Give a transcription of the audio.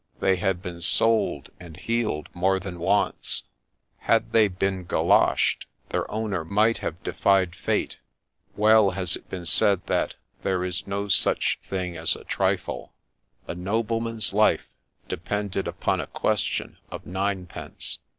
They had been ' soled ' and ' heeled ' more than once ;— had they been ' golo shed,' their owner might have defied Fate ! Well has it been said that ' there is no such thing as a trifle.' A nobleman's life depended upon a question of ninepence.